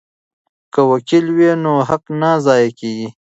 که وکیل وي نو حق نه ضایع کیږي.